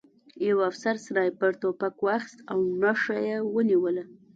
یوه افسر سنایپر توپک واخیست او نښه یې ونیوله